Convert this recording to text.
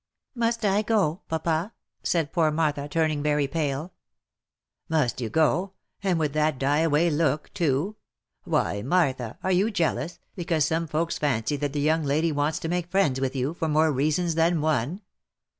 " Must I go, papa?" said poor Martha, turning very pale. "Must you go ? and with that die away look too ? Why, Martha ! are you jealous, because some folks fancy that the young lady wants to make friends with you, for more reasons than one